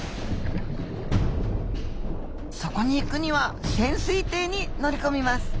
そこに行くには潜水艇に乗り込みます。